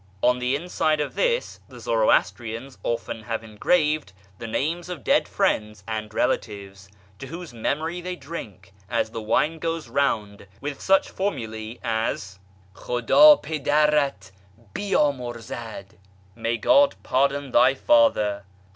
On the inside of this the Zoroas trians often have enoraved the names of dead friends and relatives, to whose memory they drink as the wine goes round with such formulae as " KJiudd pidarat hiydmurzad "(" May God pardon thy father